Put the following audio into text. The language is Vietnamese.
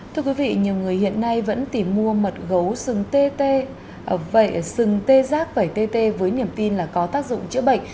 thưa quý vị nhiều người hiện nay vẫn tìm mua mật gấu sừng tê giác vài tê tê với niềm tin là có tác dụng chữa bệnh